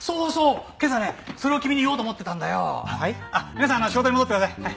皆さん仕事に戻ってください。